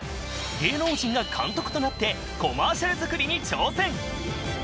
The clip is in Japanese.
芸能人が監督となってコマーシャル作りに挑戦！